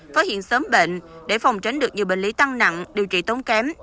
phát hiện sớm bệnh để phòng tránh được nhiều bệnh lý tăng nặng điều trị tốn kém